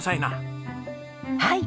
はい。